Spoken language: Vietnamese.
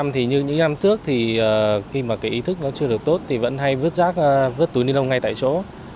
mỗi năm như những năm trước khi mà ý tưởng chưa được tốt thì vẫn hay vứt túi ni lông ngay tại chỗ